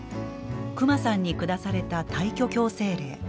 クマさんに下された退去強制令。